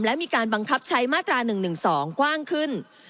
และมีการบังคับใช้มาตรา๑๑๒กว้างขึ้น